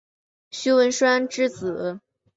徐文铨之子。